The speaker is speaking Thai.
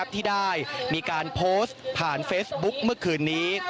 ที่ได้มีการโพสต์ผ่านเฟซบุ๊กเมื่อคืนนี้